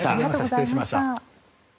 失礼しました。